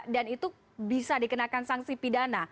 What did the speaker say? dan itu bisa dikenakan sanksi pidana